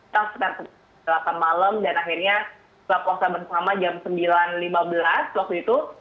ya setelah malam dan akhirnya kita puasa bersama jam sembilan lima belas waktu itu